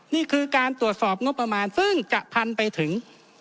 นี่คือการตรวจสอบงบประมาณซึ่งจะพันไปถึง